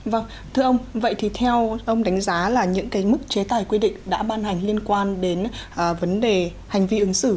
vâng thưa ông vậy thì theo ông đánh giá là những cái mức chế tài quy định đã ban hành liên quan đến vấn đề hành vi ứng xử